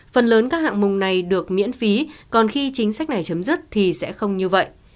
phần lớn các hạng mục này được miễn phí còn khi chính sách này chấm dứt thì sẽ không như vậy